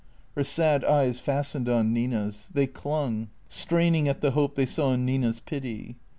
Her sad eyes fastened on Nina's; they clung, straining at the hope they saw in Nina's pity.